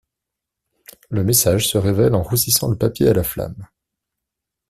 Le message se révèle en roussissant le papier à la flamme.